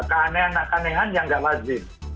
keanehan yang tidak lazim